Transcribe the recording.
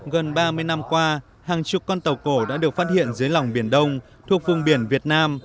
gần ba mươi năm qua hàng chục con tàu cổ đã được phát hiện dưới lòng biển đông thuộc vùng biển việt nam